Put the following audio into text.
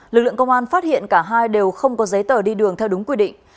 lực lượng công an phát hiện cả hai đều không có giấy tờ đi đường theo đúng quy định